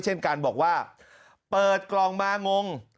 เช่นการบอกว่าเปิดกล่องมางง